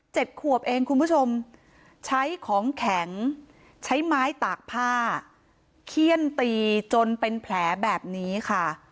ขวบเองคุณผู้ชมใช้ของแข็งใช้ไม้ตากผ้าเขี้ยนตีจนเป็นแผลแบบนี้ค่ะ